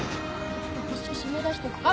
一生閉め出しとくか？